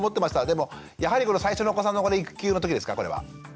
でもやはり最初のお子さんの育休の時ですかこれは。